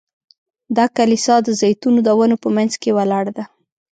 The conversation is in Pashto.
دا کلیسا د زیتونو د ونو په منځ کې ولاړه ده.